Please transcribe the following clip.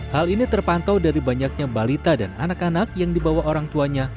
hal ini terpantau dari banyaknya balita dan anak anak yang dibawa orang tuanya